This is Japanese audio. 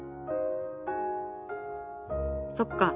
そっか。